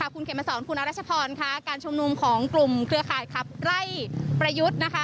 คุณเขมสอนคุณอรัชพรค่ะการชุมนุมของกลุ่มเครือข่ายขับไล่ประยุทธ์นะคะ